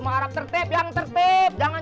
jangan jangan jangan